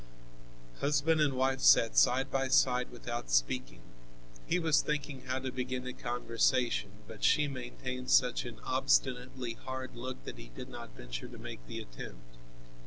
Husband and wife sat side by side without speaking. He was thinking how to begin a conversation, but she maintained such an obstinately hard look that he did not venture to make the attempt.